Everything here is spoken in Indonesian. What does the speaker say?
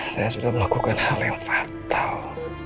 saya sudah melakukan hal yang fatal